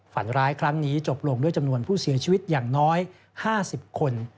ฝันร้ายครั้งนี้จบลงด้วยจำนวนผู้เสียชีวิตอย่างน้อย๕๐คน